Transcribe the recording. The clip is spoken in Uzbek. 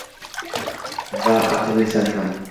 - Va aqllisan ham!